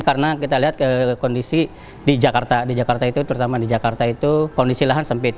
karena kita lihat kondisi di jakarta di jakarta itu terutama di jakarta itu kondisi lahan sempit